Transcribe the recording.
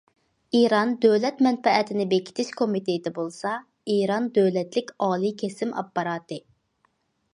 ئىران دۆلەت مەنپەئەتىنى بېكىتىش كومىتېتى بولسا ئىران دۆلەتلىك ئالىي كېسىم ئاپپاراتى.